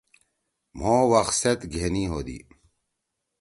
مھو وقت سیت گھینی ہودی۔